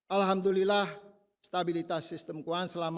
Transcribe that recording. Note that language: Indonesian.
alhamdulillah stabilitas sistem keuangan selama dua ribu dua puluh